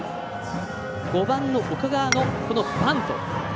５番の岡川のバント。